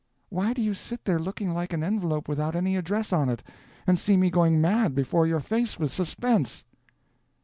Why do you sit there looking like an envelope without any address on it and see me going mad before your face with suspense!"